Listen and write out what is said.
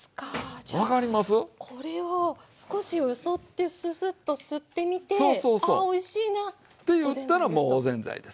じゃあこれを少しよそってすすっと吸ってみてああおいしいな。って言ったらもうおぜんざいですわ。